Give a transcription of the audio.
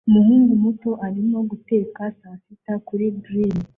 Umuhungu muto arimo guteka saa sita kuri grill